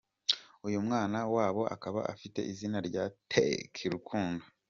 Uyu mwana wabo akaba afite izina rya Taye Rukundo.